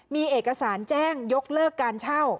มีเอกสารแจ้งยกเลิกการเช่า